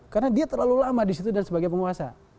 karena dia terlalu lama di situ dan sebagai penguasa